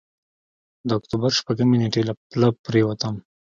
د اکتوبر شپږمې نېټې له پله پورېوتم.